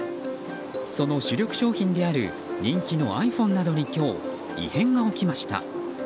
その主力商品である人気のｉＰｈｏｎｅなどに今日異変が起きました。